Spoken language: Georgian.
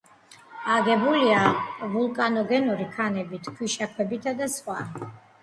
აგებულია ვულკანოგენური ქანებით, ქვიშაქვებითა და სხვა.